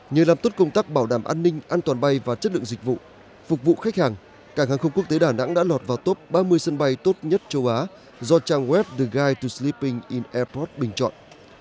nhờ làm tốt công tác bảo đảm an ninh an toàn bay và chất lượng dịch vụ phục vụ khách hàng cảng hàng không quốc tế đà nẵng đã lọt vào top ba mươi sân bay tốt nhất châu á do trang web deguide slipping in airpord bình chọn